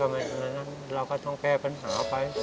ไม่ได้ป้าเราก็ต้องแพ้ปัญหาไป